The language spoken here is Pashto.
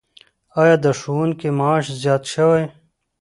آیا د ښوونکو معاش زیات شوی؟